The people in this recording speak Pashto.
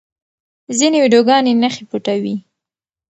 ځینې ویډیوګانې نښې پټوي.